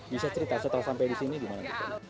bisa cerita setelah sampai di sini gimana